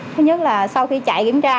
thứ nhất là sau khi chạy kiểm tra